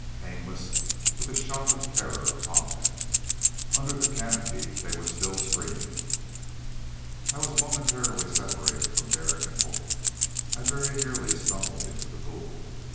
Aimless, with the shock of terror upon them. Under the canopy they were still screaming. I was momentarily separated from Derek and Hope. I very nearly stumbled into the pool.